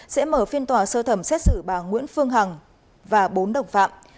sẽ mở phiên tòa sơ thẩm xét xử bà nguyễn phương hằng và bốn đồng phạm